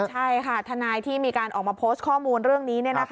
ใช่ค่ะทนายที่มีการออกมาโพสต์ข้อมูลเรื่องนี้